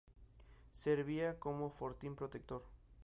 Servía como fortín protector.